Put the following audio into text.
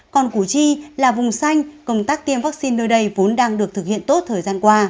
còn củ chi là vùng xanh công tác tiêm vaccine nơi đây vốn đang được thực hiện tốt thời gian qua